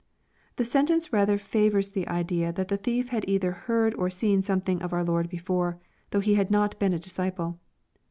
The sentence rather favors the idea that the thief had either heard or seen something of our Lord before, though he had not been a disciple.